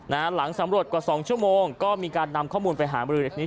หลังสำรวจกว่าสองชั่วโมงก็มีการนำข้อมูลไปหาบรือนี้